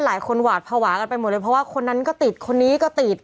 หวาดภาวะกันไปหมดเลยเพราะว่าคนนั้นก็ติดคนนี้ก็ติด